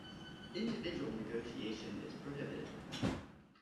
Individual negotiation is prohibited.